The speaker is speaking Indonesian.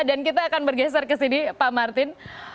dan kita akan bergeser ke sini pak martin